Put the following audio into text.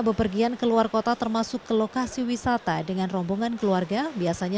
bepergian ke luar kota termasuk ke lokasi wisata dengan rombongan keluarga biasanya